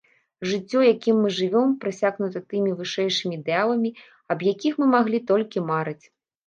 Жыццё, якім мы жывём, прасякнута тымі вышэйшымі ідэаламі, аб якіх мы маглі толькі марыць.